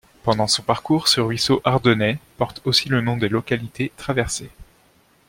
Pendant son parcours, ce ruisseau ardennais porte aussi le nom des localités traversées.